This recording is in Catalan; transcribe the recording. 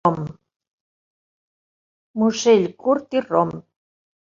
Musell curt i rom.